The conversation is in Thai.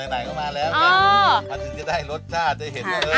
ไหนก็มาแล้วอาจจะได้รสชาติจะเห็นเลื่อน